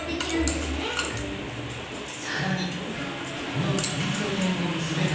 さらにこのてんとてんをむすべば。